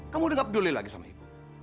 kamu udah gak peduli lagi sama ibu